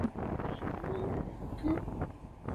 Actualmente la isla, en territorio de Croacia, se llama Vis.